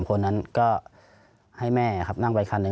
คนนั้นก็ให้แม่ครับนั่งไปคันหนึ่ง